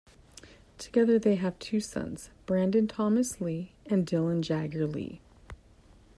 Together they have two sons, Brandon Thomas Lee and Dylan Jagger Lee.